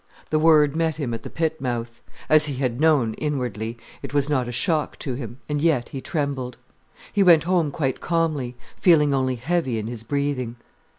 The word met him at the pit mouth. As he had known, inwardly, it was not a shock to him, and yet he trembled. He went home quite calmly, feeling only heavy in his breathing.